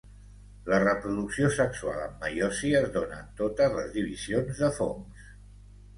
La reproducció sexual amb meiosi es dóna en totes les divisions de fongs.